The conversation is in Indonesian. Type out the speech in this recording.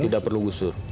tidak perlu gusur